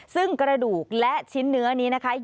ซึ่งกระดูกและชิ้นเนื้อนี้นะคะ